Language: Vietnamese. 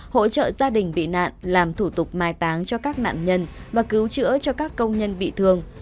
hỗ trợ gia đình bị nạn làm thủ tục mai táng cho các nạn nhân và cứu chữa cho các công nhân bị thương